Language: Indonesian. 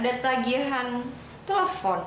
ada tagihan telepon